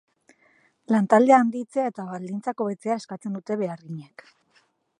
Lantaldea handitzea eta baldintzak hobetzea eskatzen dute beharginek.